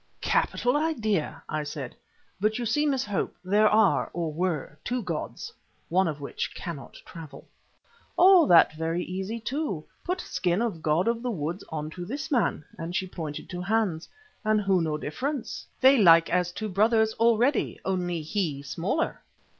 "Capital idea," I said, "but you see, Miss Hope, there are, or were, two gods, one of which cannot travel." "Oh! that very easy, too. Put skin of god of the woods on to this man," and she pointed to Hans, "and who know difference? They like as two brothers already, only he smaller."